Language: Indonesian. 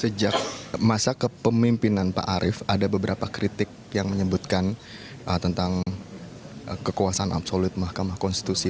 sejak masa kepemimpinan pak arief ada beberapa kritik yang menyebutkan tentang kekuasaan absolut mahkamah konstitusi